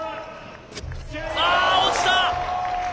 あっ落ちた。